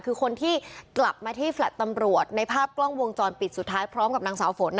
คือคนที่กลับมาที่แลต์ตำรวจในภาพกล้องวงจรปิดสุดท้ายพร้อมกับนางสาวฝน